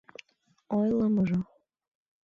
— Ойлымыжо...